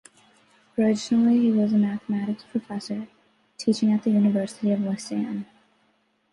Originally he was a mathematics professor, teaching at the University of Lausanne.